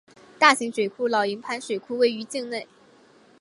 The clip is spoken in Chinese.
大型水库老营盘水库位于境内。